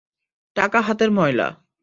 টাকা হাতের ময়লা।